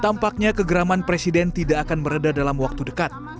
tampaknya kegeraman presiden tidak akan meredah dalam waktu dekat